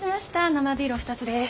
生ビールお二つです。